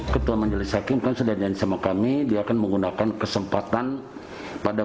ketua majelis hakim kan sudah nyanyi sama kami dia akan menggunakan kesempatan pada